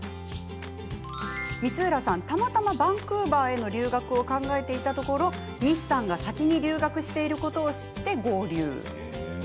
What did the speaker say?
光浦さんもたまたまバンクーバーへの留学を考えていたところ西さんが先に留学していることを知って合流。